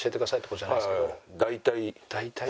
大体。